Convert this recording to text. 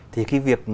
thì cái việc